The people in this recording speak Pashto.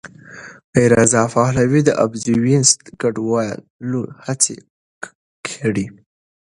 رضا پهلوي د اپوزېسیون ګډولو هڅې کړي.